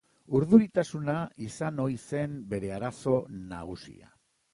Urduritasuna izan ohi zen bere arazo nagusia.